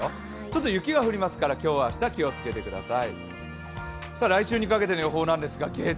雪が降りますから今日、明日、気をつけてください。